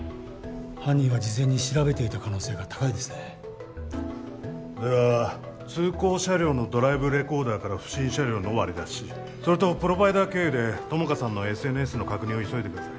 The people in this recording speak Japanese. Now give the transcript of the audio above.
犯人は事前に調べていた可能性が高いですねでは通行車両のドライブレコーダーから不審車両の割り出しそれとプロバイダー経由で友果さんのＳＮＳの確認を急いでください